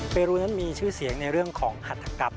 เปรูนั้นมีชื่อเสียงในเรื่องของหัตถกรรม